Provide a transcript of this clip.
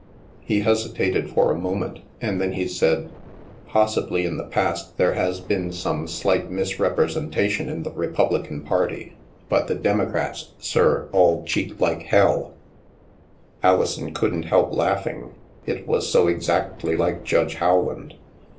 He hesitated for a moment, and then he said, * Possibly, in the past, there has been some slight misrepresentation in the Republican party ; but the Democrats, sir, all cheat like Hell/ '^ Alison couldn't help laughing, it was so exactly like Judge Rowland.